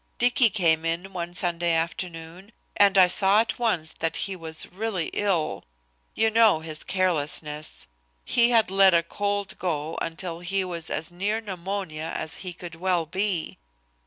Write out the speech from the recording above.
Dicky came in one Sunday afternoon and I saw at once that he was really ill. You know his carelessness. He had let a cold go until he was as near pneumonia as he could well be.